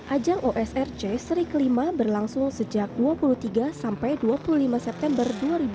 ajang osrc seri kelima berlangsung sejak dua puluh tiga sampai dua puluh lima september dua ribu dua puluh